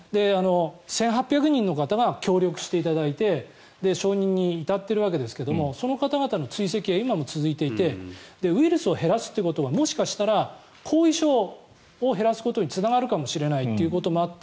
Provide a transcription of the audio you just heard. １８００人の方が協力していただいて承認に至っているわけですがその方々の追跡は今も続いていてウイルスを減らすということはもしかしたら後遺症を減らすことにもつながるかもしれないということもあって